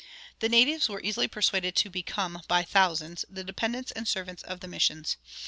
The natives were easily persuaded to become by thousands the dependents and servants of the missions.